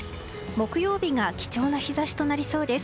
木曜日が貴重な日差しとなりそうです。